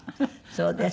そうですか。